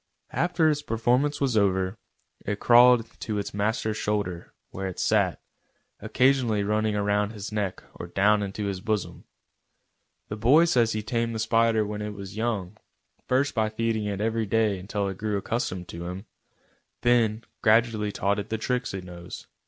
After its performance was over, it crawled to its master's shoulder, where it sat, occasionally running round his neck or down into his bosom. The boy says he tamed the spider when it was young, first by feeding it every day until it grew accustomed to him, then gradually taught it the tricks it knows.